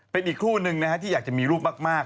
เป็นอีกคู่หนึ่งนะฮะที่อยากจะมีรูปมาก